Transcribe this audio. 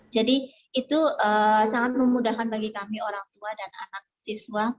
jadi itu sangat memudahkan bagi kami orang tua dan anak siswa